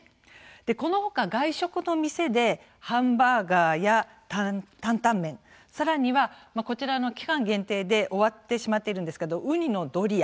このほか外食の店でハンバーガーや担々麺さらには期間限定で終わってしまっているんですがウニのドリア。